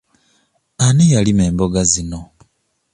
Ani yalima emboga zino?